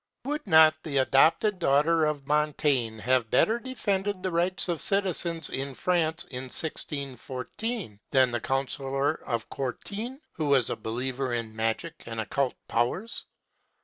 Would not the adopted daughter of Montaigne have better defended the rights of citizens in France, in 1614, than the Councillor Courtin, who was a believer in magic and occult powers?